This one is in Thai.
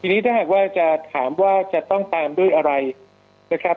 ทีนี้ถ้าหากว่าจะถามว่าจะต้องตามด้วยอะไรนะครับ